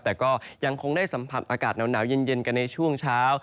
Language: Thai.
แต่ก็ยังคงได้สัมผัสอากาศหนาวเย็นกันในช่วงเช้า